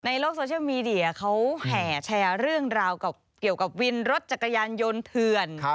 ในโลกโซเชียลมีเดียเขาแห่แชร์เรื่องราวเกี่ยวกับวินรถจักรยานยนต์เถื่อน